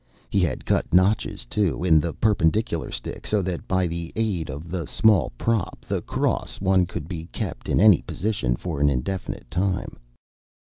He had cut notches, too, in the perpendicular stick, so that, by the aid of the small prop, the cross one could be kept in any position for an indefinite time.